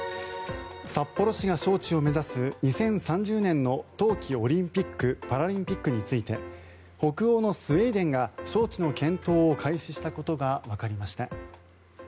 札幌市が招致を目指す２０３０年の冬季オリンピック・パラリンピックについて北欧のスウェーデンが招致の検討を開始したことがわかりました。